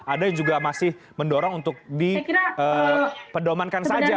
ada yang juga masih mendorong untuk dipedomankan saja